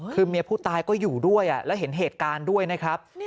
คือเมียผู้ตายก็อยู่ด้วยแล้วเห็นเหตุการณ์ด้วยนะครับ